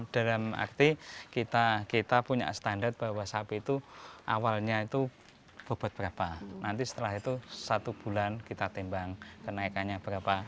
dalam arti kita punya standar bahwa sapi itu awalnya itu bobot berapa nanti setelah itu satu bulan kita timbang kenaikannya berapa